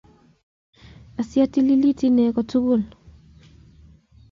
Asi atililit inne ko tugul